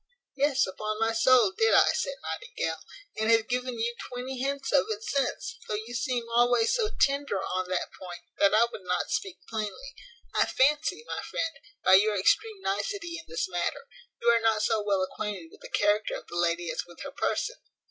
"Yes, upon my soul, did I," said Nightingale, "and have given you twenty hints of it since, though you seemed always so tender on that point, that I would not speak plainly. I fancy, my friend, by your extreme nicety in this matter, you are not so well acquainted with the character of the lady as with her person.